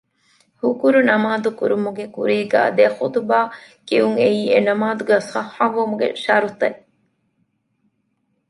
ހުކުރު ނަމާދު ކުރުމުގެ ކުރީގައި ދެ ޚުޠުބާ ކިޔުން އެއީ އެ ނަމާދު ޞައްޙަވުމުގެ ޝަރުޠެއް